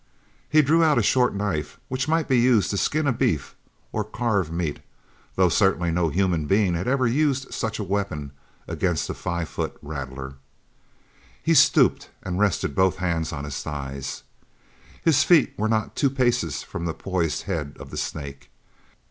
He drew out a short knife which might be used to skin a beef or carve meat, though certainly no human being had ever used such a weapon against a five foot rattler. He stooped and rested both hands on his thighs. His feet were not two paces from the poised head of the snake.